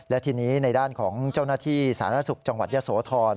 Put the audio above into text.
และทีนี้ในด้านของเจ้าหน้าที่สาธารณสุขจังหวัดยะโสธร